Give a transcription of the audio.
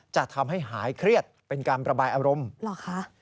จะทำให้หายเครียดเป็นการประบายอารมณ์เหรอคะ